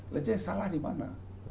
lajarnya salah di mana